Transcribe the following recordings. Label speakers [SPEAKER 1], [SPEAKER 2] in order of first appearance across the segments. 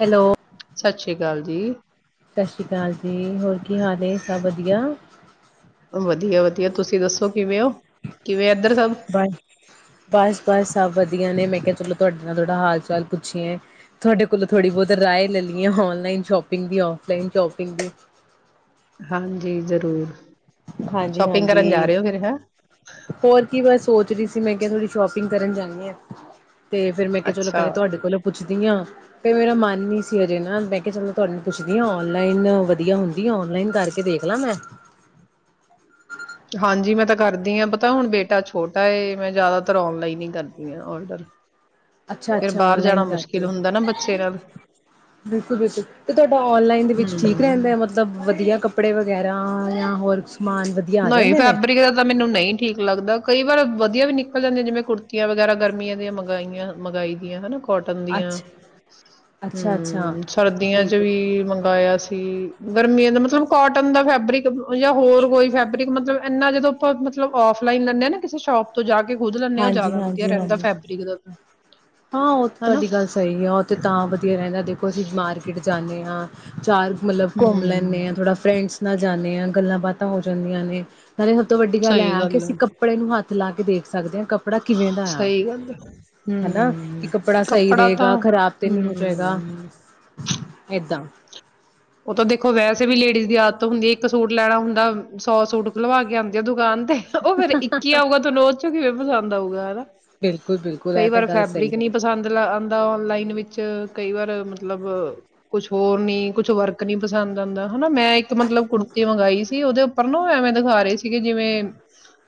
[SPEAKER 1] Hello
[SPEAKER 2] ਸਤਿ ਸ੍ਰੀ ਅਕਾਲ ਜੀ
[SPEAKER 1] ਸਤਿ ਸ਼੍ਰੀ ਅਕਾਲ ਜੀ ਹੋਰ ਕੀ ਹਾਲ ਸਭ ਵਧੀਆ
[SPEAKER 2] ਵਧੀਆ ਵਧੀਆ ਤੁਸੀਂ ਦੱਸੋ ਕਿਵੇਂ ਹੋ ਕਿਵੇਂ ਇੱਧਰ ਸਭ
[SPEAKER 1] ਬਸ ਬਸ ਬਸ ਸਭ ਵਧੀਆ ਨੇ ਮੈਂ ਕਿਹਾ ਚਲੋ ਤੁਹਾਡੇ ਨਾਲ ਥੋੜਾ ਹਾਲ ਚਾਲ ਪੁੱਛਿਏ ਤੁਹਾਡੇ ਕੋਲੋਂ ਥੋੜੀ ਬਹੁਤ ਰਏ ਲੈ ਲਈ ਆਨਲਾਈਨ ਸ਼ੋਪਿੰਗ ਦੀ ਓਫਲਾਈਨ ਸ਼ੋਪਿੰਗ ਦੀ
[SPEAKER 2] ਹਾਂਜੀ ਜ਼ਰੂਰ
[SPEAKER 1] ਹਾਂਜੀ
[SPEAKER 2] ਸ਼ੋਪਿੰਗ
[SPEAKER 1] ਹਾਂਜੀ
[SPEAKER 2] ਕਰਨ ਜਾ ਰਹੇ ਹੋ ਫਿਰ ਹੈਂ
[SPEAKER 1] ਹੋਰ ਕੀ ਬਸ ਸੋਚ ਰਹੀ ਸੀ ਅਂ ਮੈਂ ਕਿਹਾ ਤੁਥੋਡੀ ਸ਼ੋਪਿੰਗ ਕਰਨ ਜਾਂਣੀ ਹਾਂ ਤੇ ਫੇਰ ਮੈਂ ਕਿਹਾ ਚਲੋ
[SPEAKER 2] ਅੱਛਾ
[SPEAKER 1] ਪਹਿਲੇ ਤੁਹਾਡੇ ਕੋਲੋਂ ਪੁੱਛਦੀ ਹਾਂ ਫੇਰ ਮੇਰਾ ਮਨ ਨੀ ਹਜੇ ਨਾ ਮੈਂ ਕਿਹਾ ਚਲੋ ਤੁਹਾਨੂੰ ਪੁੱਛਦੀ ਹ ਔਨਲਾਈਨ ਵਧੀਆ ਹੁੰਦੀ ਆ ਔਨਲਾਈਨ ਕਰਕੇ ਦੇਖ ਲਾ ਮੈਂ
[SPEAKER 2] ਹਾਂਜੀ ਮੈਂ ਤਾਂ ਕਰਦੀ ਹ ਪਤਾ ਹੁਣ ਬੇਟਾ ਛੋਟਾ ਮੈਂ ਜ਼ਿਆਦਾਤਰ ਔਨਲਾਈਨ ਹੀ ਕਰਦੀ ਹਾਂ ਔਡਰ
[SPEAKER 1] ਅੱਛਾ
[SPEAKER 2] ਫਿਰ
[SPEAKER 1] ਅੱਛਾ
[SPEAKER 2] ਬਾਹਰ ਜਾਣਾ
[SPEAKER 1] ਨਲਾਈਨ ਕਰਦੇ
[SPEAKER 2] ਮੁਸ਼ਕਿਲ ਹੁੰਦਾ ਨਾ ਬੱਚੇ ਨਾਲ
[SPEAKER 1] ਬਿਲਕੁਲ ਬਿਲਕੁਲ ਤੇ ਤੁਹਾਡਾ ਨਲਾਈਨ ਦੇ ਵਿੱਚ ਠੀਕ ਰਹਿੰਦਾ
[SPEAKER 2] ਹਮ
[SPEAKER 1] ਮਤਲਬ ਵਧੀਆ ਕੱਪੜੇ ਵ ਵਗੈਰਾ ਜਾਂ ਹੋਰ ਸਮਾਨ ਵਧੀਆ ਆ
[SPEAKER 2] ਨਹੀਂ
[SPEAKER 1] ਜਾਂਦੇ ਨੇ?
[SPEAKER 2] ਫੈਬਰਿਕ ਦਾ ਤਾਂ ਮੈਨੂੰ ਨਹੀਂ ਠੀਕ ਲੱਗਦਾ ਕਈ ਵਾਰ ਵਧੀਆ ਵੀ ਨਿਕਲ ਜਾਂਦੀਆਂ ਜਿਵੇਂ ਕੁੜਤੀਆਂ ਵਗੈਰਾ ਗਰਮੀਆਂ ਦੀਆਂ ਮੰਗਾਈਆਂ ਮੰਗਵਾਾਈ ਦੀਆਂ ਹਨਾ ਕੋਟਨ ਦੀਆਂ
[SPEAKER 1] ਅੱਛ ਅੱਛਾ-ਅੱਛਾ
[SPEAKER 2] ਹਮ ਸਰਦੀਆਂ ਚ
[SPEAKER 1] ਠੀਕ ਹੈ
[SPEAKER 2] ਵੀ ਮੰਗਇਆ ਸੀ ਗਰਮੀਆਂ ਦਾ ਮਤਲਬ ਕੋਟਨ ਦਾ ਫੈਬਰਿਕ ਜਾਂ ਹੋਰ ਕੋਈ ਫੈਬ ਮਤਲਬ ਇੰਨਾ ਜਦੋਂ ਆਪਾਂ ਮਤਲਬ ਔਫਲਾਈਨ ਲੈਂਦੇ ਹ ਨਾ ਕਿਸੇ ਸ਼ੋਪ ਤੋਂ ਜਾ ਕੇ ਖੁਦ ਲੈਂਦੇ ਹਾਂ ਉਹ
[SPEAKER 1] ਹਾਂਜੀ
[SPEAKER 2] ਜ਼ਿਆਦਾ ਵਧੀਆ
[SPEAKER 1] ਹਾਂਜੀ
[SPEAKER 2] ਰਹਿੰਦਾ
[SPEAKER 1] ਹਾਂਜੀ
[SPEAKER 2] ਫੈਬਰਿਕ ਦਾ ਤਾਂ
[SPEAKER 1] ਹਾਂ ਉਹ
[SPEAKER 2] ਹਨਾ,
[SPEAKER 1] ਤੁਹਾਡੀ ਗੱਲ ਸਹੀ ਹੈ ਉਹ ਤੇ ਤਾਂ ਵਧੀਆ ਰਹਿੰਦਾ ਦੇਖੋ ਅਸੀਂ ਮਾਰਕਿੱਟ ਜਾਂਦੇ ਹਾਂ ਚਾਰ ਮਤਲਬ ਘੁੰਮ
[SPEAKER 2] ਹੂੰ,
[SPEAKER 1] ਲੈਂਦੇ ਹਾਂ ਥੋੜਾ ਫਰੈਂਡਸ ਨਾਲ ਜਾਂਦੇ ਹਾਂ ਗੱਲਾਂ ਬਾਤਾਂ ਹੋ ਜਾਂਦੀਆਂ ਨੇ ਨਾਲੇ ਸਭ ਤੋਂ ਵੱਡੀ ਗੱਲ ਹੈ ਕਿ ਅਸੀਂ ਕੱਪੜੇ ਨੂੰ ਹੱਥ ਲੱਗਦੇ ਸਕਦੇ ਹਾਂ ਕੱਪੜਾ ਕਿਵੇਂ ਦਾ ਆ
[SPEAKER 2] ਸਹੀ ਗੱਲ ਹੈ,
[SPEAKER 1] ਹਨਾ ਕਿ
[SPEAKER 2] ਹੂੰ,
[SPEAKER 1] ਕੱਪੜਾ ਸਹੀ
[SPEAKER 2] ਤਾਂ
[SPEAKER 1] ਰਹੇਗਾ ਖ਼ਰਾਬ ਤੇ ਨਹੀਂੀ ਹੋ ਜਾਏਗਾ
[SPEAKER 2] ਹੂੰ,
[SPEAKER 1] ਏਦਾਂ
[SPEAKER 2] ਉਹ ਤਾਂ ਦੇਖੋ ਵੈਸੇ ਵੀ ਲੇਡੀਜ਼ ਦੀ ਆਦਤ ਹੁੰਦੀ ਹੈ ਇੱਕ ਸੂਟ ਲੈਣਾ ਹੁੰਦਾ ਸੌ ਸੂਟ ਖਲਵਾ ਕੇ ਆਉਂਦੀ ਆ ਦੁਕਾਨ ਤੇ ਉਹ ਫੇਰ ਇੱਕ ਹੀ ਆਊਗਾ ਤਹਨੂੰ ਉਹ ਚੋਂ ਕਿਵੇਂ ਆਊਗਾ ਹੈਨਾ
[SPEAKER 1] ਬਿਲਕੁਲ-ਬਿਲਕੁਲ
[SPEAKER 2] ਕਈ
[SPEAKER 1] ਇਹ ਤਾਂ
[SPEAKER 2] ਵਾਰ
[SPEAKER 1] ਗੱਲ ਸਹੀ
[SPEAKER 2] ਫੈਬਰਿਕ ਨੀ
[SPEAKER 1] ਹੈਗੀ ਹੈ।
[SPEAKER 2] ਪਸੰਦ ਆਉਂਦਾ ਔਨਲਾਈਨ ਵਿੱਚ ਚ ਕਈ ਵਾਰ ਮਤਲਬ ਕੁਛ ਹੋਰ ਨੀ ਕੁਛ ਵਰਕ ਨੀ ਪਸੰਦ ਆਉਂਦਾ ਹਨਾ ਮੈਂ ਇੱਕ ਮਤਲਬ ਕੁੜਤੀ ਮੰਗਾਈ ਸੀ ਉਹਦੇ ਉੱਪਰ ਨੂੰ ਐਵੇਂ ਦਿਖਾ ਰਹੇ ਸੀਗੇ ਜਿਵੇਂ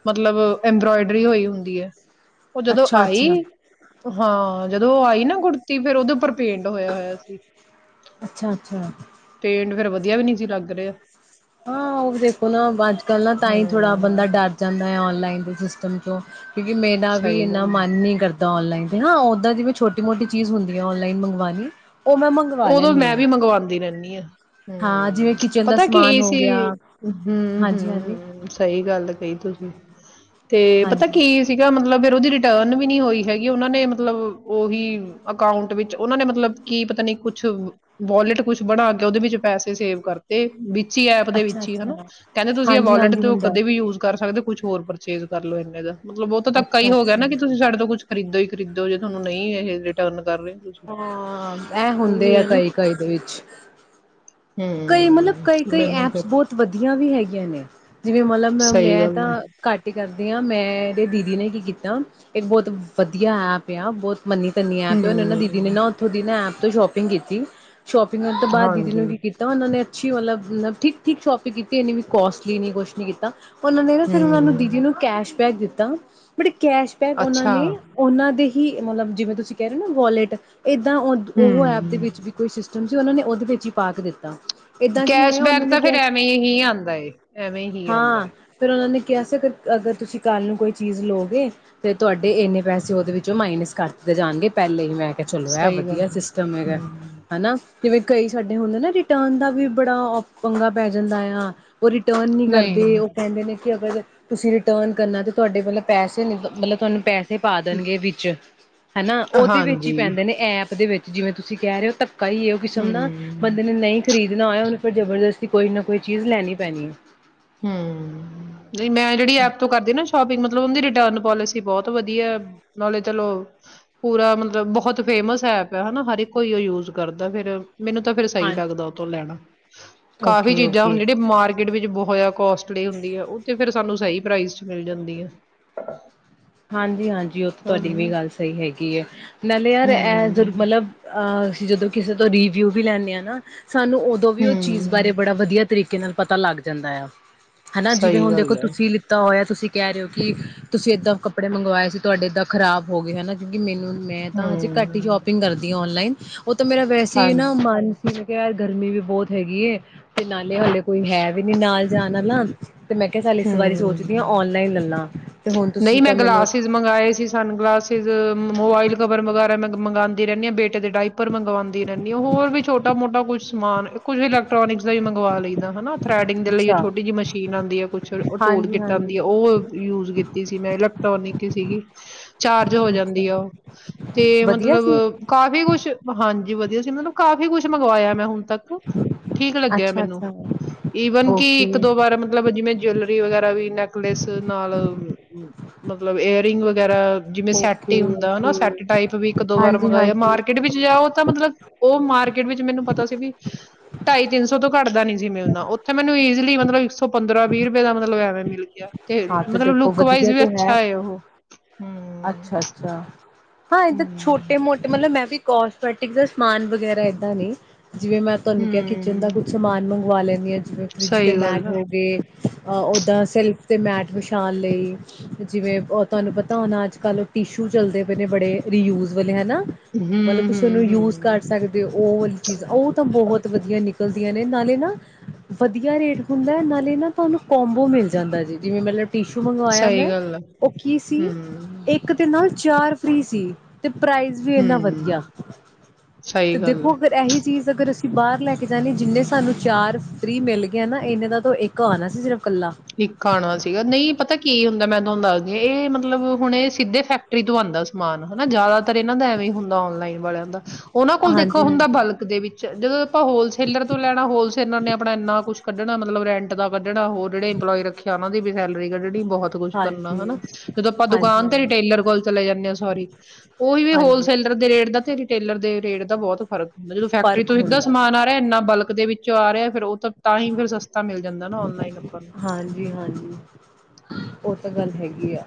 [SPEAKER 2] ਮਤਲਬ ਐੰਬਰੋਇਡਰੀ ਹੋਈ ਹੁੰਦੀ ਹੈ ਉਹ ਜਦੋਂ ਆਈ
[SPEAKER 1] ਅੱਛਾ-ਅੱਛਾ,
[SPEAKER 2] ਹਾਂ ਜਦੋਂ ਉਹ ਆਈ ਨਾ ਕੁੜਤੀ ਫੇਰ ਉਹਦੇ ਉੱਪਰ ਪੇਂਟ ਹੋਇਆ ਹੋਇਆ ਸੀ
[SPEAKER 1] ਅੱਛਾ-ਅੱਛਾ।
[SPEAKER 2] ਪੇਂਟ ਫੇਰ ਵਧੀਆ ਵੀ ਨੀ ਸੀ ਲੱਗ ਰਿਹਾ
[SPEAKER 1] ਹਾਂ ਉਹ ਵੀ ਦੇਖੋ ਨਾ ਅੱਜ ਕੱਲ ਨਾ, ਤਾਂ ਹੀ ਥੋੜ੍ਹਾ ਬੰਦਾ
[SPEAKER 2] ਹਮ
[SPEAKER 1] ਡਰ ਜਾਂਦਾ ਹੈ ਔਨਲਾਈਨ ਸਿਸਟਮ ਕਿਉਂ ਕਿਉਂਕਿ ਮੇਰਾ ਵੀ
[SPEAKER 2] ਸਹੀ
[SPEAKER 1] ਇੰਨਾ
[SPEAKER 2] ਗੱਲ ਹੈ।
[SPEAKER 1] ਮਨ ਨਹੀਂ ਕਰਦਾ, ਔਨਲਾਈਨ ਹਾਂ ਓਦਾਂ ਜਿਵੇਂ, ਛੋਟੀ ਮੋਟੀ ਚੀਜ਼ ਹੁੰਦੀ ਆ ਔਨਲਾਈਨ ਮੰਗਵਾਉਣੀ। ਉਹ ਮੈਂ ਮੰਗਵਾ
[SPEAKER 2] ਉਦੋਂ
[SPEAKER 1] ਲੈਂਦੀ
[SPEAKER 2] ਮੈਂ
[SPEAKER 1] ਹਾਂ
[SPEAKER 2] ਵੀ ਮੰਗਵਾਉਂਦੀ ਰਹਿੰਦੀ ਹਾਂ।
[SPEAKER 1] ਹਾਂ
[SPEAKER 2] ਹਮਮ।
[SPEAKER 1] ਜਿਵੇਂ ਕਿਚਨ ਦਾ
[SPEAKER 2] ਪਤਾ ਕੀ
[SPEAKER 1] ਸਮਾਨ
[SPEAKER 2] ਏ
[SPEAKER 1] ਹੋ
[SPEAKER 2] ਸੀ
[SPEAKER 1] ਗਿਆ
[SPEAKER 2] ਏ,
[SPEAKER 1] ਹਾਂਜੀ-ਹਾਂਜੀ,
[SPEAKER 2] ਹੁੰ-ਹੁੰ-ਹ ਸਹੀ ਗੱਲ ਕਹੀ ਤੁਸੀਂ। ਤੇ, ਪਤਾ
[SPEAKER 1] ਹਾਂਜੀ
[SPEAKER 2] ਕੀ ਸੀਗਾ। ਮਤਲਬ ਏ ਉਹਦੀ ਰਿਟਰਨ ਵੀ ਨਹੀਂ ਹੋਈ ਹੈਗੀ। ਉਹਨਾਂ ਨੇ ਮਤਲਬ, ਉਹੀ ਅਕਾਊਂਂਟ ਵਿੱਚ ਉਹਨਾਂ ਨੇ, ਮਤਲਬ ਕੀ ਪਤਾ ਨੀ ਕੁਛ ਵੋਲੇਟ, ਕੁਛ ਬਣਾ ਕੇ ਉਹਦੇ ਵਿੱਚ ਪੈਸੇ ਸੇਵ ਕਰਤੇ। ਬਿ ਇਸੀ ਐਪ ਦੇ ਵਿੱਚ ਹੀ, ਹਨਾ।
[SPEAKER 1] ਅੱਛਾ-ਅੱਛਾ
[SPEAKER 2] ਕਹਿੰਦੇ ਤੁਸੀਂ ਇਹ ਵਾਲੋਟ
[SPEAKER 1] ਹਾਂਜੀ-ਹਾਂਜੀ
[SPEAKER 2] ਤੋਂ
[SPEAKER 1] ਹੁੰਦਾ
[SPEAKER 2] ਕਦੇ ਵੀ ਯੂਜ ਕਰ ਸਕਦੇ ਹੋ। ਕੁਛ ਹੋਰ ਪਰਚੇਜ ਕਰ ਲਓ ਇਨੇ ਦਾ। ਮਤਲਬ ਉਹ ਤਾਂ ਧੱਕਾ ਹੀ ਹੋ ਗਿਆ
[SPEAKER 1] ਅੱਛਾ-ਅੱਛਾ
[SPEAKER 2] ਨਾ, ਕਿ ਤੁਸੀਂ ਸਾਡੇ ਤੋਂ ਕੁਛ ਖਰੀਦੋ ਹੀ ਖਰੀਦੋ, ਜੇ ਤੁਹਾਨੂੰ ਨਹੀਂ ਇਹ ਰਿਟਰਨ ਕਰ ਰਹੇ ਤੁਸੀਂ
[SPEAKER 1] ਹਾਂ, ਏ ਹੁੰਦੇ
[SPEAKER 2] ਉਹੀ
[SPEAKER 1] ਐ,
[SPEAKER 2] ਹੈ ਨਾ।
[SPEAKER 1] ਕਈ ਕਈ ਦੇ ਵਿੱਚ। ਕਈ ਮਤਲਬ,
[SPEAKER 2] ਹੂੰ,
[SPEAKER 1] ਕਈ ਕਈ
[SPEAKER 2] ਮੈਨੂੰ ਫਿਰ
[SPEAKER 1] ਐਪਸ ਬਹੁਤ ਵਧੀਆ ਵੀ ਹੈਗੀਆਂ ਨੇ। ਜਿਵੇਂ ਮਤਲਬ
[SPEAKER 2] ਸਹੀ
[SPEAKER 1] ਮੈਂ
[SPEAKER 2] ਗੱਲ
[SPEAKER 1] ਤਾਂ
[SPEAKER 2] ਹੈ।
[SPEAKER 1] ਘੱਟ ਹੀ ਕਰਦੀ ਹਾਂ। ਮੈਂਰੇ ਦੀਦੀ ਨੇ ਕੀ ਕੀਤਾ ਇੱਕ ਬਹੁਤ ਵਧੀਆ ਐਪ ਏ ਹ ਬਹੁਤ ਮੰਨੀ ਤਨੀ ਐਪ ਹੈ। ਉਹਨੇ ਨਾ, ਦੀਦੀ ਨੇ
[SPEAKER 2] ਹੂੰ,
[SPEAKER 1] ਨਾ, ਉੱਥੋਂ ਦੀ ਨਾ ਐਪ ਤੋਂ ਸ਼ੋਪਿੰਗ ਕੀਤੀ। ਸ਼ੋਪਿੰਗ ਹੋਣ ਤੋਂ ਬਾਅਦ ਦੀਦੀ
[SPEAKER 2] ਹਾਂਜੀ,
[SPEAKER 1] ਨੂੰ ਵੀ ਕੀਤਾ ਉਹਨਾਂ ਨੇ ਅੱਛੀ ਉਲਬ-ਮਤਲਬ ਠੀਕ-ਠੀਕ ਸ਼ੋਪਿੰਗ ਕੀਤੀ। ਇੰਨੀ ਵੀ ਕੋਸਟਲੀ ਨੀ, ਕੁਛ ਨੀ ਕੀਤਾ। ਉਹਨਾਂ ਨੇ ਨਾ, ਫਿਰ ਉਹਨਾਂ ਨੂੰ ਦੀਦੀ
[SPEAKER 2] ਹੂੰ,
[SPEAKER 1] ਨੂੰ ਕੈਸ਼ਬੈਕ ਦਿੱ ਤਾਂ, ਬੜੀ ਕੈਸ਼ਬੈਕ ਉਹਨਾਂ
[SPEAKER 2] ਅੱਛਾ,
[SPEAKER 1] ਨੇ, ਉਹਨਾਂ ਦੇ ਕਿ ਮਤਲਬ। ਜਿਵੇਂ ਤੁਸੀਂ ਕਹਿ ਰਹੇ ਹੋ ਨਾ ਵੋਲੇਟ ਏਦਾਂ ਉਹ-ਉਹ
[SPEAKER 2] ਹੂੰ,
[SPEAKER 1] ਐਪ ਦੇ ਵਿੱਚ ਵੀ ਕੋਈ ਸਿਸਟਮ ਜਿ ਉਹਨਾਂ ਨੇ ਉਹਦੇ ਵਿੱਚ ਹੀ ਪਾਕ ਦਿੱ
[SPEAKER 2] ਕੈਸ਼ਬੈਕ ਤਾਂ ਫਿਰ ਐਵੇਂ ਹੀ ਆਉਂਦਾ ਹੈ। ਐਵੇਂ ਹੀ ਆਉਂਦਾ ਹੈ।
[SPEAKER 1] ਕੈਸੇ ਫਿਰ ਅਗਰ-ਅਗਰ ਤੁਸੀਂ ਕੱਲ੍ਹ ਨੂੰ ਕੋਈ ਚੀਜ਼ ਲਓਗੇ ਤੇ ਤੁਹਾਡੇ ਇੰਨੇ ਪੈਸੇ ਉਹਦੇ ਵਿੱਚੋਂ ਮਾਈਨਸ ਕਰ ਦਿੱਤੇ ਜਾਣਗੇ। ਪਹਿਲੇ ਹੀ ਮੈਂ ਤੇ ਚਲੋ ਇਹ
[SPEAKER 2] ਸਹੀ ਗੱਲ
[SPEAKER 1] ਵਧੀਆ
[SPEAKER 2] ਹੈ।
[SPEAKER 1] ਸਿਸਟਮ ਹੈਗਾ ਹੇ।
[SPEAKER 2] ਹੂੰ,
[SPEAKER 1] ਹਨਾ? ਜਿਵੇਂ ਕਈ ਸਾਡੇ ਹੁੰਦੇ ਨਾ ਕਿ ਟਰਨ ਦਾ ਵੀ ਬੜਾ ਓ ਪੰਗਾ ਪੈ ਜਾਂਦਾ ਹੈ ਹਾਂ। ਉਹ ਰਿਟਰਨ ਨਹੀਂ ਕਰਦੇ, ਉਹ ਕਹਿੰਦੇ ਨੇ ਕਿ ਅਗਰ ਤੁਸੀਂ ਰਿਟਰਨ ਕਰਨਾ ਤੇ ਤੁਹਾਡੇ ਮਤਲਬ ਪੈਸੇ ਨੇ ਮਤਲਬ ਤੁਹਾਨੂੰ ਪੈ ਇੱਥੇ ਪਾ ਦੇਣਗੇ ਵਿੱਚ ਹਨਾ ਉਹਦੇ ਵਿੱਚ ਹੀ
[SPEAKER 2] ਹਾਂਜੀ,
[SPEAKER 1] ਪੈਂਦੇ ਨੇ ਐਪ ਦੇ ਵਿੱ ਜਿਵੇਂ ਤੁਸੀਂ ਕਹਿ ਰਹੇ ਹੋ ਤਾਂ [unintelligible] ਕਈ ਉਹ ਕਿਸਮ
[SPEAKER 2] ਹੂੰ,
[SPEAKER 1] ਨਾ ਬੰਦੇ ਨੇ ਨਹੀਂ ਖਰੀਦਣਾ ਹੋਇਆ ਉਹਨੂੰ ਫਿਰ ਜਬਰਦਸਤੀ ਕੋਈ ਨਾ ਕੋਈ ਚੀਜ਼ ਲੈਣੀ ਪੈਣੀ ਹੈ।
[SPEAKER 2] ਹਮ। ਨਹੀਂ ਮੈਂ ਜਿਹੜੀ ਐਪ ਤੋਂ ਕਰਦੀ ਨਾ ਸ਼ੋਪਿੰਗ ਮਤਲਬ ਨੀ ਰਿਟਰਨ ਪੋਲਿਸੀ ਬਹੁਤ ਵਧੀਆ, ਨਾਲੇ ਚਲੋ ਪੂਰਾ ਮਤਲਬ ਬਹੁਤ ਫੇਮਸ ਐਪ ਆ ਹੈਨਾ। ਹਰ ਇੱਕ ਕੋਈ ਉਹ ਯੂਜ ਕਰਦਾ ਫਿਰ ਮੈਨੂੰ ਤਾਂ ਫਿਰ ਸਹੀ
[SPEAKER 1] ਹਾਂਜੀ
[SPEAKER 2] ਲੱਗਦਾ ਉਦੋ ਲੈਣਾ ਕਾਫ਼ੀ
[SPEAKER 1] ਓਕੇ
[SPEAKER 2] ਚੀਜ਼ਾਂ ਹੁਣ
[SPEAKER 1] ਓਕੇ
[SPEAKER 2] ਜਿਹੜੀਆਂ ਮਾਰਕੀਟ ਵਿੱਚ ਬਹੁ ਹੋਇਆ। ਕੋਸਟਲੀ ਹੁੰਦੀ ਆ। ਉਹ ਤੇ ਫਿਰ ਸਾਨੂੰ ਸਹੀ ਪ੍ਰਾਈਜ਼ ਚ ਮਿਲ ਜਾਂਦੀ ਆ।
[SPEAKER 1] ਹਾਂਜੀ ਹਾਂਜੀ ਉਹ ਤਾਂ ਤੁਹਾਡੀ ਵੀ ਗੱਲ ਸਹੀ ਹੈਗੀ ਹੈ ਨਾਲੇ ਯਾਰ ਇਹ ਜੋ
[SPEAKER 2] ਹੂੰ,
[SPEAKER 1] ਮਤਲਬ ਅਹ ਜਦੋਂ ਕਿਸੇ ਤੋਂ ਰੀਵਿਊ ਵੀ ਲੈਂਦੇ ਹਾਂ ਨਾ ਸਾਨੂੰ ਉਦੋਂ ਵੀ ਉਹ ਚੀਜ਼ ਬਾਰੇ ਬੜਾ
[SPEAKER 2] ਹੂੰ,
[SPEAKER 1] ਵਧੀਆ ਤਰੀਕੇ ਨਾਲ ਪਤਾ ਲੱਗ ਜਾਂਦਾ ਹੈ ਹੈਨਾ ਜਿਵੇਂ
[SPEAKER 2] ਸਹੀ
[SPEAKER 1] ਹੁਣ ਦੇਖੋ
[SPEAKER 2] ਗੱਲ ਹੈ।
[SPEAKER 1] ਤੁਸੀਂ ਲਿੱਤਾ ਹੋਇਆ ਤੁਸੀਂ ਕਹਿ ਰਹੇ ਹੋ ਕਿ ਤੁਸੀਂ ਏਦਾਂ ਕ ਕੱਪੜੇ ਮੰਗਵਾਏ ਸੀ ਤੁਹਾਡੇੱਦ ਖਰਾ ਹੋ ਗਏ ਹਨਾ ਕਿਉਂਕਿ ਮੈਨੂੰ ਮੈਂ ਤਾਂ ਹਜੇ ਘੱਟ ਹੀ
[SPEAKER 2] ਹੂੰ,
[SPEAKER 1] ਸ਼ੋਪਿੰਗ ਕਰਦੀ ਹਾਂ ਔਨਲਾਈਨ [unintelligible] ਉਹ ਤਾਂ ਮੇਰਾ ਵੈਸੇ ਹੀ ਨਾ
[SPEAKER 2] ਹਾਂਜੀ,
[SPEAKER 1] ਮਨ ਸੀ ਯਾਰ ਗਰਮੀ ਵੀ ਬਹੁਤ ਹੈਗੀ ਏ ਤੇ ਨਾਲੇ ਹਲੇ ਕੋਈ ਹੈ ਵੀ ਨੀ ਨਾਲ ਜਾਣਾ ਤੇ ਮੈਂ ਕਿਹਾ ਚੱਲ ਇਸ ਬਾਰੀ ਸੋਚਦੀ ਹਾਂ
[SPEAKER 2] ਹੂੰ।
[SPEAKER 1] ਔਨਲਾਈਨ ਲੈਲਾਂ ਤੇ ਹੁਣ ਤੁਸੀਂ
[SPEAKER 2] ਨਹੀਂ ਮੈਂ
[SPEAKER 1] ਮੈਨੂੰ
[SPEAKER 2] ਗਲਾਸਿਸ ਮੰਗਵਾਏ ਸੀ ਸਨ ਗਲਾਸਿਸ ਮੋਬਾਈਲ ਕਬਰ ਵਗੈਰਾ ਮੰਗਵਾਉਂਦੀ ਰਹਿੰਦੀ ਹਾਂ ਬੇਟੇ ਦੇ ਡਾਇਪਰ ਮੰਗਵਾਉਂਦੀ ਰਹਿੰਦੀ ਹ ਹੋਰ ਵੀ ਛੋਟਾ ਮੋਟਾ ਕੁਛ ਸਮਾਨ ਕੁਛ ਵੀ ਇਲੈਕ੍ਰੋਨਿਕ ਦਾ ਵੀ ਮੰਗਵਾ ਲੈਂਦਾ ਹੈਾ ਥਰੈਡਿੰਗ ਲਈ
[SPEAKER 1] ਅੱਛਾ
[SPEAKER 2] ਛੋਟੀ ਜਿਹੀ ਮਸ਼ੀਨ ਆਉਂਦੀ ਹੈ ਕੁਛ ਉਹ ਟੋਲ
[SPEAKER 1] ਹਾਂਜੀ
[SPEAKER 2] ਕਿਟ ਆਂਦੀ
[SPEAKER 1] ਹਾਂਜੀ
[SPEAKER 2] ਆ ਉਹ ਯੂਜ ਕੀਤੀ ਸੀ ਮੈਂ ਇਲੈਕਟ੍ਰੋਨਿਕ ਸੀਗੀ ਚਾਰਜ ਹੋ ਜਾਂਦੀ
[SPEAKER 1] ਅੱਛਾ
[SPEAKER 2] ਆ ਉਹ ਤੇ
[SPEAKER 1] ਵਧੀਆ
[SPEAKER 2] ਮਤਲਬ
[SPEAKER 1] ਸੀ
[SPEAKER 2] ਕਾਫੀ ਕੁਛ ਹਾਂਜੀ ਵਧੀਆ ਸੀ ਮਤਲਬ ਕਾਫੀ ਕੁਛ ਮੰਗਵਾਇਆ ਮੈਂ ਹੁਣ ਤ ਠੀਕ ਲੱਗਿਆ
[SPEAKER 1] ਅੱਛਾ
[SPEAKER 2] ਮੈਨੂੰ
[SPEAKER 1] ਅੱਛਾ
[SPEAKER 2] ਈਵਨ ਕਿ ਇੱਕ
[SPEAKER 1] ਓਕੇ
[SPEAKER 2] ਦੋ ਵਾਰ ਮਤਲਬ ਜਿਵੇਂ ਜਲ ਵਗੈਰਾ ਵੀ ਨੈਕਲਸ ਨਾਲ ਮਤਲਬ ਏਅਰ ਰਿੰਗ ਵਗੈਰਾ ਜਿਵੇਂ ਸੈੱਟ
[SPEAKER 1] ਓਕੇ
[SPEAKER 2] ਹੀ ਹੁੰਦਾ ਹਨਾ
[SPEAKER 1] ਓਕੇ
[SPEAKER 2] ਸੈੱਟ ਟਾਈਪ ਵੀ ਇੱਕ ਦੋ ਵਾਰ
[SPEAKER 1] ਹਾਂਜੀ
[SPEAKER 2] ਮੰਗਵਾਇਆ
[SPEAKER 1] ਹਾਂਜੀ
[SPEAKER 2] ਮਾਰਕੀਟ ਵਿੱਚ ਜਾਓ ਤਾਂ ਮਤਲਬ ਉਹ ਮਾਰਕੀਟ ਵਿੱਚ ਮੈਨੂੰ ਪਤਾ ਸੀ ਵੀ ਢਾਈ ਤਿੰਨ ਸੌ ਤੋਂ ਘੱਟਦਾ ਨੀ ਸੀ ਮੈਂ ਉਹਦਾ ਉੱਥੇ ਮੈਨੂੰ ਈਜ਼ਲੀ ਮਤਲਬ ਇੱਕ ਸੌ ਪੰਦਰਾਂ ਵੀਹ [unintelligible] ਦਾ ਮਤਲਬ ਐਵੇਂ ਮਿਲ ਗਿਆ ਤੇ
[SPEAKER 1] ਹਾਂ
[SPEAKER 2] ਮਤਲਬ
[SPEAKER 1] ਦੇਖੋ
[SPEAKER 2] ਲੁਕ ਵਈਜ਼
[SPEAKER 1] ਵਧੀਆ
[SPEAKER 2] ਵੀ
[SPEAKER 1] ਤੇ
[SPEAKER 2] ਅੱਛਾ ਹੈ ਉਹ
[SPEAKER 1] ਅੱਛਾ ਅੱਛਾ ਹਾਂ ਇੱਧਰ
[SPEAKER 2] ਹਮ
[SPEAKER 1] ਛੋਟੇ ਮੋਟੇ ਮਤਲਬ ਮੈਂ ਵੀ ਕਸਮੈਟਿਕ ਦਾ ਸਮਾਨ ਵਗੈਰਾ ਏਦਾਂ ਨੇ ਜਿਵੇਂ ਮੈਂ ਤੁਹਾਨੂੰ ਕਿਹਾ ਕਿਚਨ ਦਾ
[SPEAKER 2] ਹਮ
[SPEAKER 1] ਕੁੱਛ ਸਮਾਨ ਵਾਲੇ ਦੀਆਂ ਜਵੇ ਫਰਿੱਜ ਤੇ
[SPEAKER 2] ਸਹੀ ਗੱਲ
[SPEAKER 1] ਮੈਟ
[SPEAKER 2] ਆ
[SPEAKER 1] ਹੋ ਗਏ ਅ ਓਦਾਾਂ ਸੈਲਫ ਅਤੇ ਮੈਟ ਵਿਛਾਉਣ ਲਈ ਜਿਵੇਂ ਤੁਹਾਨੂੰ ਪਤਾ ਹੋਣਾ ਅੱਜ ਕੱਲ੍ਹ ਉਹ ਟਿਸ਼ੂ ਚੱਲਦੇ ਪਏ ਨੇ ਬੜੇ ਰੀਯੂਜ਼ ਵਾਲੇ ਹੈ ਨਾ
[SPEAKER 2] ਹਮ
[SPEAKER 1] ਮਤਲਬ ਤੁਸੀਂ
[SPEAKER 2] ਹਮ
[SPEAKER 1] ਉਹਨੂੰ ਯੂਜ
[SPEAKER 2] ਹਮ
[SPEAKER 1] ਕਰ ਸਕਦੇ ਹੋ ਉਹ ਚੀਜ਼ਾਂ ਉਹ ਤਾਂ ਬਹੁਤ ਵਧੀਆ ਨਿਕਲ ਨਿਕਲਦੀਆਂ ਨੇ ਨਾਲੇ ਨਾ ਵਧੀਆ ਰੇਟ ਹੁੰਦਾ ਨਾਲੇ ਨਾ ਤੁਹਾਨੂੰ ਕੋਮਬੋ ਮਿਲ ਜਾਂਦਾ ਜੀ ਜਿਵੇਂ ਮਿਲਲੇ ਟਿਸ਼ੂ ਮੰਗਵਾਇਆ
[SPEAKER 2] ਸਹੀ
[SPEAKER 1] ਮੈਂ
[SPEAKER 2] ਗੱਲ ਆ
[SPEAKER 1] ਉਹ ਕੀ ਸੀ
[SPEAKER 2] ਹਮ
[SPEAKER 1] ਇੱਕ ਦੇ ਨਾਲ ਚਾਰ ਸ੍ਰੀ ਸੀ ਅਤੇ ਪ੍ਰਾਈਜ਼ ਵੀ ਇੰਨਾ
[SPEAKER 2] ਹਮ
[SPEAKER 1] ਵਧੀਆ
[SPEAKER 2] ਸਹੀ
[SPEAKER 1] ਅਤੇ
[SPEAKER 2] ਗੱਲ
[SPEAKER 1] ਦੇਖੋ
[SPEAKER 2] ਹੈ
[SPEAKER 1] ਅਗਰ ਐਹੀ ਚੀਜ਼ ਅਗਰ ਬਾਹਰ ਲੈ ਕੇ ਜਾਣੀ ਜਿੰਨੇ ਸਾਨੂੰ ਚਾਰ ਫ੍ਰਰੀ ਮਿਲ ਗਏ ਨਾ ਇਹਨੇ ਦਾ ਤੋਂ ਇੱਕ ਆਉਣਾ ਸੀ ਸਿਰਫ ਕੱਲਾ
[SPEAKER 2] ਇੱਕ ਆਣਾ ਸੀਗਾ ਨਹੀਂ ਪਤਾ ਕੀ ਹੁੰਦਾ ਮੈਂ ਤੁਹਾਨੂੰ ਦੱਸਦੀ ਇਹ ਮਤਲਬ ਹੁਣ ਇਹ ਸਿੱਧੇ ਫੈਕਟਰੀ ਤੋਂ ਆਉਂਦਾ ਸਮਾਨ ਹਨਾ ਜ਼ਿਆਦਾ ਇਹਨਾਂ ਦਾ ਐਵੇਂ ਹੀ ਹੁੰਦਾ ਔਨਲਾਈਨ ਵਾਲਿਆਂ ਦਾ ਉਹਨਾਂ ਕੋਲ
[SPEAKER 1] ਹਾਂਜੀ
[SPEAKER 2] ਦੇਖੋ ਹੁੰਦਾ
[SPEAKER 1] ਹਾਂਜੀ
[SPEAKER 2] ਬਲਕ ਦੇ ਵਿੱਚ ਚਦੋ ਆਪਾਂ ਹੋਲਸੇਲਰ ਤੋਂ ਲੈਣਾ ਹੋਲਸੇਲਰ ਨੇ ਆਪਣਾ ਇੰਨਾ ਕੁਛ ਕੱਢਣਾ ਮਤਲਬ ਰੈਂਟ ਦਾ ਕੱਢਣਾ ਹੋਰ ਜਿਹੜੇ ਈ ਰੱਖਿਆ ਉਹਨਾਂ ਦੀ ਵੀ ਸੈਲੀ [unintelligible] ਬਹੁਤ ਕੁੱਛ ਕਰਨਾ
[SPEAKER 1] ਹਾਂਜੀ ਹਾਂਜੀ
[SPEAKER 2] ਹਨਾ ਜਦੋਂ ਆਪਾਂ ਦੁਕਾਨ ਤੇ
[SPEAKER 1] ਹਾਂਜੀ
[SPEAKER 2] ਰਿਟੇਲਰ ਕੋਲ ਚਲੇ ਜਾਂਦੇ ਹਾਂ ਸੋਰੀ ਉਹੀ ਵੀ
[SPEAKER 1] ਹਾਂਜੀ
[SPEAKER 2] ਹੋਲਸੇਲਰ ਦੇ ਰੇਟ ਦਾ ਤੇ ਟੇਲਰ ਦੇ ਰੇਟ ਦਾ ਬਹੁਤ ਫਰਕ ਹੁੰਦਾ ਜਦੋਂ ਫੈਕਟਰੀ
[SPEAKER 1] ਫ਼ਰਕ
[SPEAKER 2] ਤੋਂ ਸਿੱਧਾ
[SPEAKER 1] ਹੁੰਦਾ
[SPEAKER 2] ਸਮਾਨ ਆ ਰਿਹਾ ਇੰਨਾ ਬਲਕ ਦੇ ਵਿੱਚ ਚ ਆ ਰਿਹਾ ਫਿਰ ਉਹ ਤਾਂ ਤਾਂ ਹੀ ਫੇਿਰ ਸਸਤਾ ਮਿਲ ਜਾਂਦਾ ਨਾ ਔਨਲਾਈਨ ਆਪਾਂ ਨੂੰ
[SPEAKER 1] ਜੀ ਹਾਂਜੀ ਉਹ ਤਾਂ ਗੱਲ ਹੈਗੀ ਆ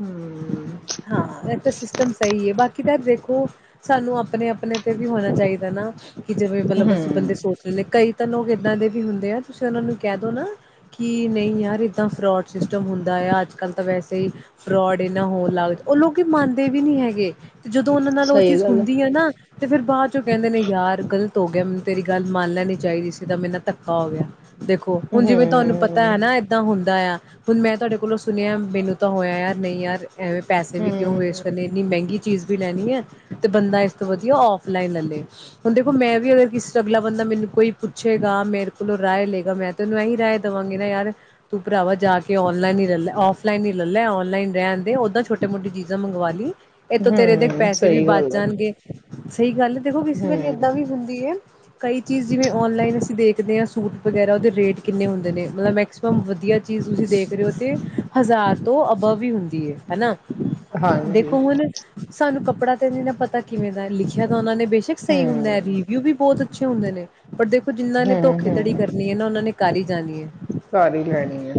[SPEAKER 2] ਹੂੰ,
[SPEAKER 1] ਹਾਂ ਵ ਤਾਂ ਸਿਸਟਮ ਸਹੀ ਹੈ ਬਾਕੀ ਕਿ ਦੇਖੋ ਸਾਨੂੰ ਆਪਣੇ ਆਪਣੇ ਤੇ ਵੀ ਹੋਣਾ ਚਾਹੀਦਾ ਨਾ ਕਿ ਜਿਵੇਂ ਮਤਲਬ ਅਸੀਂ
[SPEAKER 2] ਹੂੰ,
[SPEAKER 1] ਬੰਦੇ ਸੋਚ ਲੈਂਦੇ ਕਈ [unintelligible] ਇੱਦਾਂ ਦੇ ਵੀ ਹੁੰਦੇ ਆ ਤੁਸੀਂ ਉਹਨਾਂ ਨੂੰ ਕਹਿ ਦਉ ਨਾ ਕਿ ਨਹੀਂ ਯਾਰ ਇੱਦਾਂ ਫਰੋਡ ਸਿਸਟਮ ਹੁੰਦਾ ਆ ਅੱਜ ਕੱਲ੍ਹ ਤਾਂ ਵੈਸੇ ਹੀ ਫਰੋਡ ਇਨਾ ਹੋਣ ਲੱਗ ਉਹ ਲੋਕ ਮੰਨਦੇ ਵੀ ਨਹੀਂੀ ਹੈਗੇ ਤੇ ਜਦੋਂ ਉਹਨਾਂ ਨਾਲ ਉਹ
[SPEAKER 2] ਸਹੀ
[SPEAKER 1] ਚੀਜ਼
[SPEAKER 2] ਗੱਲ
[SPEAKER 1] ਹੁੰਦੀ ਹੈ ਨਾ ਤੇ ਫਿਰ ਬਾਅਦ ਚੌ ਕਹਿੰਦੇ ਨੇ ਯਾਰ ਗਲ ਧ ਗਿਆ ਮੈਨੂੰ ਤੇਰੀ ਗੱਲ ਮੰਨ ਲੈਣੀ ਚਾਹੀਦੀ ਸੀ ਜਿੱਦਾਂ ਮੇਰੇ ਨਾਲ ਧੱਕਾ ਹੋ ਗਿਆ ਦੇਖੋ ਹੁਣ ਜਿਵੇਂ ਤੁਹਾਨੂੰ ਪਤਾ
[SPEAKER 2] ਹੂੰ,
[SPEAKER 1] ਹੈ ਨਾ ਇਏਦਾਂ ਹੁਣ ਆ ਹੁਣ ਮੈਂ ਤੁਹਾਡੇ ਕੋਲੋਂ ਸੁਣਿਆ ਮੈਨੂੰ ਤਾਂ ਹੋਇਆ ਯਾਰ ਨਹੀਂ ਯਾਰ ਐਵੇਂ ਪੈਸੇ ਵੀ ਕਿਉਂ
[SPEAKER 2] ਹੂੰ,
[SPEAKER 1] ਵੇਸਟ ਹਦੇ ਇੰਨੀ ਮਹਿੰਗੀ ਚੀਜ਼ ਵੀ ਲੈਣੀ ਹੈ ਤੇ ਬੰਦਾ ਇਸ ਤੋਂ ਵਧੀਆ ਫਲਾਈਨ ਲੈ ਲੇ ਹੁਣ ਦੇਖੋ ਮੈਂ ਵੀ ਅਗਰ ਕਿਸ ਅਗਲਾ ਬੰਦਾ ਮੈਨੂੰ ਕੋਈ ਪੁੱਛੇਗਾ ਮੇਰੇ ਕੋਲੋਂ ਰਾਏ ਲਏਗਾ ਮੈਂ ਤੈਨੂੰ ਇਹੀ ਰਏ ਦੇਵਾਂਗੀ ਨਾ ਯਾਰ ਤੂੰ ਭਰਾਵਾ ਜਾ ਕੇ ਔਨਲਾਈਨ ਹੀ ਲੈ ਲੈ ਔਫਲਾਈਨ ਹੀ ਲੈ ਲੈ ਔਨਲਾਈਨ ਰਹਿਣ ਦੇ ਉੱਦਾਂ ਛੋਟਟੀ ਮੋਟੀ ਚੀਜ਼ਾਂ ਮੰਗਵਾ ਲਈ ਇਹਥੋਂ ਤੇਰੇ ਦੇ
[SPEAKER 2] ਹੂੰ,
[SPEAKER 1] ਪੈਸੇ ਵੀ
[SPEAKER 2] ਸਹੀ
[SPEAKER 1] ਬਚ
[SPEAKER 2] ਗੱਲ ਹੈ।
[SPEAKER 1] ਜਾਣਗੇ ਸਹੀ ਗੱਲ ਦੇਖੋ ਕਿਸ ਵੇਲੇ ਇੱਦਾਂ
[SPEAKER 2] ਹੂੰ,
[SPEAKER 1] ਵੀ ਹੁੰਦੀ ਹੈ ਕਈ ਚੀਜ਼ ਜਿਵੇਂ ਔਨਲਾਈਨ ਅਸੀਂ ਦੇਖਦੇ ਹਾਂ ਸੂਟ ਵਗੈਰਾ ਉਹਦੇ ਰੇਟ ਕਿੰਨੇ ਹੁੰਦੇ ਨੇ ਮਤਲਬ ਮੈਕਸੀਮਮ ਵਧੀਆ ਚੀਜ਼ ਤੁਸੀਂ ਦੇਖ ਰਹੇ ਹੋ ਅਤੇ ਹਜ਼ਾਰ ਤੋਂ ਅਬਵ ਹੀ ਹੁੰਦੀ ਹੈ ਹੈ ਨਾ
[SPEAKER 2] ਹਾਂਜੀ,
[SPEAKER 1] ਦੇਖੋ ਹੁਣ ਸਾਨੂੰ ਕੱਪੜਾ ਤੇ ਨਹੀਂ ਨਾ ਪਤਾ ਕਿਵੇਂ ਦਾ ਲਿਖਿਆ ਤਾਂ ਉਹਨਾਂ ਨੇ ਬੇਸ਼ੱਕ
[SPEAKER 2] ਹੂੰ,
[SPEAKER 1] ਸਹੀ ਹੁੰਦਾ ਹੈ ਰਿਵਿਊ ਵੀ ਬਹੁਤ ਅੱਛੇ ਹੁੰਦੇ ਨੇ ਪਰ ਦੇਖੋ ਜਿਹਨਾਂ ਨੇ
[SPEAKER 2] ਹੂੰ,
[SPEAKER 1] ਧੋਖੇਧੜੀ
[SPEAKER 2] ਹੂੰ,
[SPEAKER 1] ਕਰਨੀ ਹੈ ਨਾ ਉਹਨਾਂ ਨੇ ਕਰੀ ਹੀ ਜਾਣੀ ਹੈ
[SPEAKER 2] ਘਰ ਹੀ ਲੈਣੀ ਆ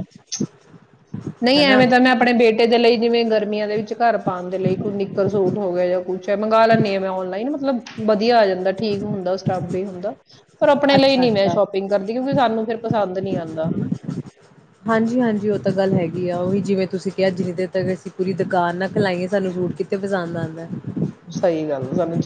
[SPEAKER 2] ਨਹੀਂ
[SPEAKER 1] ਹਨਾ
[SPEAKER 2] ਐਵੇਂ ਤਾਂ ਮੈਂ ਆਪਣੇ ਬੇਟੇ [unintelligible] ਗਰਮੀਆਂ ਦੇ ਵਿੱਚ ਘਰ ਪਾਉਣ ਦੇ ਲਈ ਕੋਈ ਨਿੱਕਰ ਸੂਟ ਹੋ ਗਿਆ ਜਾਂ ਕੁਛ ਮੰਗ ਲੈਂਦੀ ਆਾਂ ਮੈਂ ਔਨਲਾਈਨ ਮਤਲਬ ਵਧੀਆ ਆ ਜਾਂਦਾ ਠੀਕ ਹੁੰਦਾ ਸਟੱਬ ਵੀ ਹੁੰਦਾ ਪਰ ਆਪਣੇ ਲਈ
[SPEAKER 1] ਅੱਛਾ
[SPEAKER 2] ਨੀ ਮੈਂ ਸ਼ੋਪਿੰਗ ਕਰਦੀ ਕਿਉਂਕਿ ਸਾਨੂੰ ਫਿਰ ਪਸੰਦ ਨੀ ਆਉਂਦਾ ਹਨਾ।
[SPEAKER 1] ਹਾਂਜੀ ਹਾਂਜੀ ਉਹ ਤਾਂ ਗੱਲ ਹੈਗੀ ਉਹੀ ਜਿਵੇਂ ਤੁਸੀਂ ਕਿਹਾ ਜਿੰਨੀ ਦੇਰ ਤੱਕ ਅਸੀਂੂਰੀ ਦੁਕਾਨ ਨਾਲ ਖਿਲਾਈਏ ਸਾਨੂੰ ਫਰੂਟ ਕਿਤੇ ਪਸੰਦ ਆਂਦਾ
[SPEAKER 2] ਸਹੀ ਗੱਲ ਸਾਨੂੰ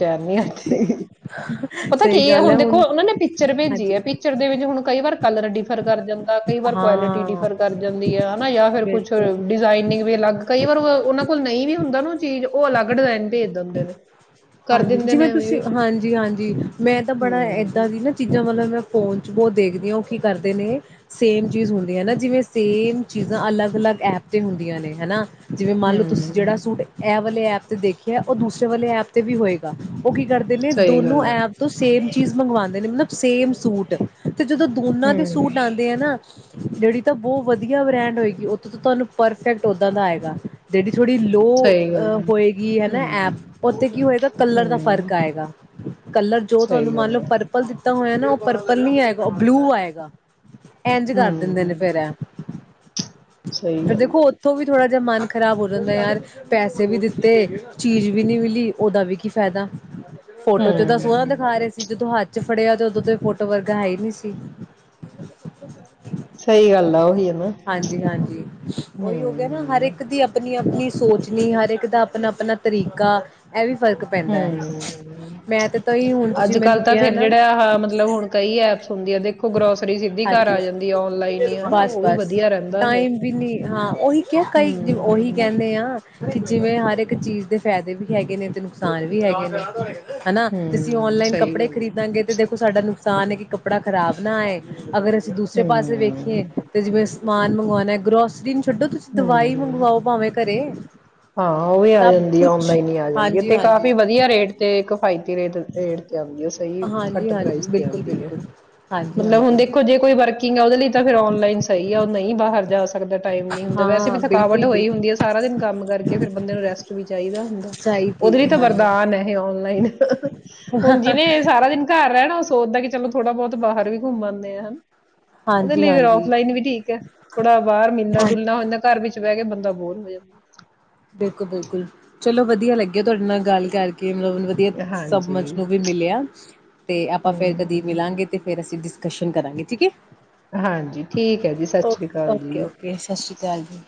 [SPEAKER 2] ਪਤਾ ਕੀ ਹੈ ਹੁਣ ਦੇਖੋ ਉਹਨਾਂ ਨੇ ਪਿਕਚਰ ਭੇਜੀ
[SPEAKER 1] ਹਾਂਜੀ
[SPEAKER 2] ਹੈ ਪਿਕਚਰ ਦੇ ਵਿੱਚ ਹੁਣ ਕਈ ਵਾਰ ਕਲਰ ਡਿਫਰ ਕਰ ਜਾਂ ਕਈ ਵਾਰ ਕੁਆਲਿਟੀ
[SPEAKER 1] ਹਾਂ
[SPEAKER 2] ਡਿਫਰ ਕਰ ਜਾਂਦੀ ਹੈ ਹਨਾ ਜਾਂ ਫਿਰ ਕੁਛ
[SPEAKER 1] ਬਿਲਕੁਲ
[SPEAKER 2] ਡਿਜ਼ਾਇਨਿੰਗ ਵੀ ਅਲੱਗ ਕਈ ਵਾਰ ਪਰ ਉਹਨਾਂ ਕੋਲ ਨਹੀਂ ਵੀ ਹੁੰਦਾ ਨਾ ਚੀਜ਼ ਉਹ ਅਲੱਗ ਡਿਜ਼ਾਇਨ ਤੇ ਦਿੰਦੇ ਨੇ
[SPEAKER 1] ਹਾਂਜੀ ਜਿਵੇਂ
[SPEAKER 2] ਵੀ
[SPEAKER 1] ਤੁਸੀਂ ਹਾਂਜੀ ਹਾਂਜੀ ਮੈਂ ਤਾਂ ਬੜਾ ਇੱਦਾਂ
[SPEAKER 2] ਹੂੰ
[SPEAKER 1] ਦੀ ਨਾ ਚੀਜ਼ਾਂ ਮਤਲਬ ਮੈਂ ਫੋਨ ਬਹੁਤ ਦੇਖਦੀ ਹ ਉਹ ਕੀ ਕਰਦੇ ਨੇ ਸੇਮ ਚੀਜ਼ ਹੁੰਦੀਆਂ ਹਨ ਨਾ ਜਿਵੇਂ ਸੇਮ ਚੀਜ਼ਾਂ ਅਲੱਗ ਅਲੱਗ ਐਪ ਤੇ ਹੁੰਦੀਆਂ ਨੇ ਹਨਾ ਜਿਵੇਂ ਮੰਨ ਲਓ ਤੁਸੀਂ
[SPEAKER 2] ਹੂੰ
[SPEAKER 1] ਜਿਹੜਾ ਸੂਟ ਐ ਵਾਲੇ ਐਪ ਦੇਖੀਏ ਉਹ ਦੂਸਰੇ ਵਾਲੇ ਐਪ ਤੇ ਵੀ ਹੋਏਗਾ ਉਹ ਕੀ ਕਰਦੇ ਨੇ
[SPEAKER 2] ਸਹੀ
[SPEAKER 1] ਦੋਨੋ
[SPEAKER 2] ਗੱਲ ਹੈ
[SPEAKER 1] ਐਪ ਤੋਂ ਸੇਮ ਚੀਜ਼ ਮੰਗਵਾਉਂਦੇ ਨੇ ਮਤਲਬ ਸੇਮ ਸੂਟ ਤੇ ਜਦੋਂ ਦੋਨਾਂ ਦੇ ਸੂਟ
[SPEAKER 2] ਹੂੰ
[SPEAKER 1] ਆਉਂਦੇ ਆ ਨਾ ਜਿਹੜੀ ਤਾਂ ਬਹੁਤ ਵਧੀਆ ਬ੍ਰੈਂਡ ਹੋਏਗੀ ਉਹਥੋਂ ਤਾਂ ਤੁਹਾਨੂੰ ਪਰਫੈਕਟ ਓਦਾਂ ਦਾ ਆਏਗਾ ਜਿਹੜੀ ਥੋੜ੍ਹੀ
[SPEAKER 2] ਸਹੀ
[SPEAKER 1] ਲੋਅ
[SPEAKER 2] ਗੱਲ ਹੈ
[SPEAKER 1] ਹੋਏਗੀ ਹੈ ਨਾ
[SPEAKER 2] ਹੂੰ
[SPEAKER 1] ਐਪ ਉੱਥੇ ਕਲਰ ਦਾ
[SPEAKER 2] ਹੂੰ
[SPEAKER 1] ਫ਼ਰਕ ਆਏਗਾ ਕਲਰ ਜੋ ਤੁਹਾਨੂੰ
[SPEAKER 2] ਸਹੀ
[SPEAKER 1] ਮੰਨ
[SPEAKER 2] ਗੱਲ
[SPEAKER 1] ਲਓ
[SPEAKER 2] ਹੈ
[SPEAKER 1] ਪਰਪਲ ਦੀ ਤਾਂ ਹੋਇਆ ਨਾ ਉਹ ਪਰਪਲ ਨੀ ਆਏਗਾ ਉਹ ਬਲੂ ਆਏਗਾ ਇੰਝ ਕਰ ਦਿੰਦੇ ਨੇ
[SPEAKER 2] ਹੂੰ
[SPEAKER 1] ਫੇਿਰ
[SPEAKER 2] ਸਹੀ ਗੱਲ
[SPEAKER 1] ਦੇਖੋ
[SPEAKER 2] ਹੈ
[SPEAKER 1] ਉੱਥੋਂ ਵੀ ਥੋੜਾ ਦਾ ਮਨ ਖਰਾਬ ਹੋ ਜਾਂਿੰਦਾ ਯਾਰ ਉਹਦਾ ਵੀ ਕੀ ਫਾਇਦਾ ਫੋਟੋ ਚੋਂ ਤਾਂ ਸੋਹਾਂ ਦਿਖਾ
[SPEAKER 2] ਹੂੰ
[SPEAKER 1] ਰਹੇ ਸੀ ਜਦੋਂ ਹੱਥ ਫੜਿਆ ਤੇ ਉਦੋਂ ਤੋਂ ਫੋਟੋ ਵਰਗਾ ਹੈ ਹੀ ਨਹੀਂੀ ਸੀ
[SPEAKER 2] ਸਹੀ ਗੱਲ ਆ ਉਹੀ ਆ
[SPEAKER 1] ਹਾਂਜੀ ਹਾਂਜੀ ਉਹੀ ਹੋ ਗਿਆ ਨਾ ਹਰ ਇੱਕ
[SPEAKER 2] ਹੂੰ
[SPEAKER 1] ਦੀ ਆਪਣੀ ਆਪਣੀ ਸੋਚਣੀ ਹਰ ਇੱਕ ਦਾ ਆਪਣਾ ਆਪਣਾ ਤਰੀਕਾ ਇਹ ਵੀ ਫ਼ਰਕ
[SPEAKER 2] ਹ
[SPEAKER 1] ਪੈਂਦਾ ਹੈ। ਮੈਂ ਤੇ ਤਾਂਹੀ ਹੁਣ
[SPEAKER 2] ਅੱਜ
[SPEAKER 1] ਤੁਸੀਂ ਮੈਨੂੰ
[SPEAKER 2] ਕੱਲ੍ਹ ਤਾਂ
[SPEAKER 1] ਕਿਹਾ
[SPEAKER 2] ਫਿਰ
[SPEAKER 1] ਨਾ
[SPEAKER 2] ਜਿਹੜਾ ਆ ਮਤਲਬ ਹੁਣ ਕਈ ਐਪਸ ਹੁੰਦੀਆਂ ਨੇ
[SPEAKER 1] ਬਸ ਟਾਈਮ ਵੀ ਨੀ ਹਾਂ ਉਹੀ ਕਿਹਾ ਕਈ ਉਹੀ
[SPEAKER 2] ਹੂੰ
[SPEAKER 1] ਕਹਿੰਦੇ ਆ ਕਿ ਜਿਵੇਂ ਹਰ ਇੱਕ ਚੀਜ਼ ਦੇ ਫਾਇਦੇ ਵੀ ਹੈਗੇ ਨੇ ਤੇ ਨੁਕਸਾਨ ਵੀ ਹੈਗੇ ਨੇ ਹਨਾ ਤੇ ਅਸੀਂ
[SPEAKER 2] ਹੂੰ
[SPEAKER 1] ਔਨਲਾਈਨ
[SPEAKER 2] ਸਹੀ
[SPEAKER 1] ਕੱਪੜੇ
[SPEAKER 2] ਗੱਲ
[SPEAKER 1] ਖਰੀਦਾਂਗੇ ਤੇ ਦੇਖੋ ਸਾਡਾ ਨੁ ਨੁਕਸਾਨ ਹੈ ਕਿ ਕੱਪੜਾ ਖਰਾਬ ਅਸੀਂ ਦੂਸਰੇ
[SPEAKER 2] ਹੈ
[SPEAKER 1] ਪਾਸੇ
[SPEAKER 2] ਹੂੰ
[SPEAKER 1] ਵੇਖੀਏ ਸਮਾਨ ਮੰਗਵਾਉਣ ਗਰੋਸਲੀਨ
[SPEAKER 2] ਹ ਹਾਂ ਉਹ ਵੀ ਆ
[SPEAKER 1] ਸਭ
[SPEAKER 2] ਜਾਂਦੀ ਆ
[SPEAKER 1] ਕੁਛ
[SPEAKER 2] ਲਾਈਨ ਹੀ ਆ ਜਾਂਦੀ
[SPEAKER 1] ਹਾਂਜੀ-ਹਾਂਜੀ,
[SPEAKER 2] ਕਾਫੀ ਵਧੀਆ ਰੇਟ ਤੇ ਕਫਾਇਤੀ ਰੇਟ ਤੇ ਸਹੀ ਘੱਟ
[SPEAKER 1] ਹਾਂਜੀ-ਹਾਂਜੀ
[SPEAKER 2] ਪਰਾਈਜ ਤੇ ਆਉਂਦੀ ਹੈ
[SPEAKER 1] ਬਿਲਕੁਲ-ਬਿਲਕੁਲ
[SPEAKER 2] ਮਤਲਬ ਹੁਣ
[SPEAKER 1] ਹਾਂਜੀ-ਹਾਂਜੀ
[SPEAKER 2] ਦੇਖੋ ਜੇ ਕੋਈ ਵਰਕਿੰਗ ਆ ਉਹਦੇ ਲਈ ਤਾਂ ਫਿਰ ਆਨਲਾਈਨ ਸਹੀ ਆ ਉਹ ਨਹੀਂ ਵੈਸੇ ਵੀ
[SPEAKER 1] ਹਾਂ
[SPEAKER 2] ਔ
[SPEAKER 1] ਬਿਲਕੁਲ-ਬਿਲਕੁਲ
[SPEAKER 2] ਹੋਂਦਾ ਹੈ
[SPEAKER 1] ਚਾਹੀਦੀ ਹੈ ਹਾਂਜੀ
[SPEAKER 2] ਕਿ ਚਲੋ ਥੋੜਾ ਬੋਤ ਬਾਹਰ ਵੀ ਘੁੰਮ ਆਨੇ ਆਂ ਉਹਦੇ
[SPEAKER 1] ਹਾਂਜੀ
[SPEAKER 2] ਲਈ
[SPEAKER 1] ਹਾਂਜੀ
[SPEAKER 2] ਆਫਲਾਈਨ ਵੀ ਠੀਕ ਹੈ, ਥੋੜਾ ਬਾਹਰ ਮਿਲਨਾ
[SPEAKER 1] ਹਾਂ
[SPEAKER 2] ਜੁਲਨਾ - ਤਾਂ ਹੁੰਦਾ ਘਰ ਵਿੱਚ ਬਹਿ ਕੇ ਬੰਦਾ ਤਾਂ ਬੋਰ ਹੁੰਦੇ ਆ
[SPEAKER 1] ਬਿਲਕੁਲ ਬਿਲਕੁਲ ਚਲੋ ਵਦੀਆਂ ਲੱਗਿਆ ਤੋਵਾਦੇ ਨਾਲ ਗੱਲ ਕਰਕੇ [inaudible]
[SPEAKER 2] ਹਾਂਜੀ
[SPEAKER 1] ਤੇ ਆਪਾਂ ਫੇਰ ਕਦੀ
[SPEAKER 2] ਹੂੰ
[SPEAKER 1] ਮਿਲਾਂਗੇ ਤੇ ਫੇਰ ਅਸੀ ਡਿਸਕਸ - ਕਵੇਸ਼ਨ ਕਰਾਂਗੇ ਠੀਕ ਹੈ
[SPEAKER 2] ਹਾਂਜੀ ਠੀਕ ਹੈ ਜੀ ਸਤਿ ਸ੍ਰੀ ਅਕਾਲ
[SPEAKER 1] ਓਕੇ
[SPEAKER 2] ਜੀ
[SPEAKER 1] ਓਕੇ ਸਤਿ ਸ਼੍ਰੀ ਅਕਾਲ ਜੀ